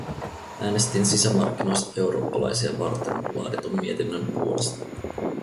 Äänestin sisämarkkinoista eurooppalaisia varten laaditun mietinnön puolesta.